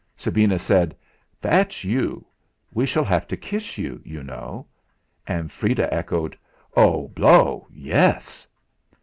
Sabina said: "That's you. We shall have to kiss you, you know." And Freda echoed: "Oh! Blow Yes!"